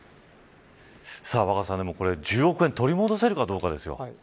若狭さん、１０億円取り戻せるかどうかですよ。